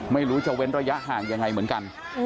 ไม่รู้จะเว้นระยะห่างยังไงเหมือนกัน